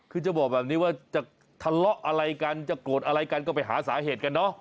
คือจะบอกแบบนี้ว่าจะทะเลาะอะไรกันจะโกรธอะไรกันก็ไปหาสาเหตุกันเนอะ